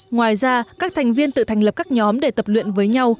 ngoài ra các thành viên tự thành lập các nhóm để tập luyện với nhau